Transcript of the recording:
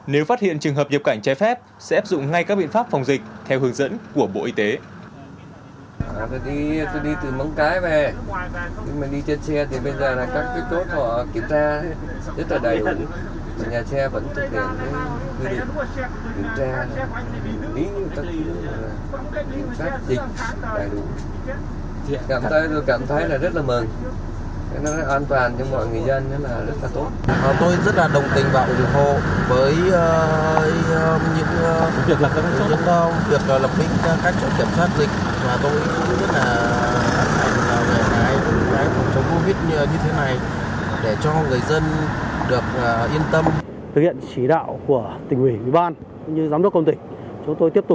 nếu phát hiện trường hợp nhập cảnh trái phép sẽ áp dụng ngay các biện pháp phòng dịch theo hướng dẫn của bộ y tế